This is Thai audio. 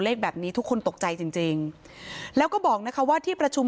แบบนี้ทุกคนตกใจจริงจริงแล้วก็บอกนะคะว่าที่ประชุม